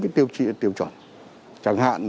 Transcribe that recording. cái tiêu trị tiêu chuẩn chẳng hạn